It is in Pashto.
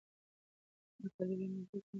که مطالعه وي نو فکر نه تنګیږي.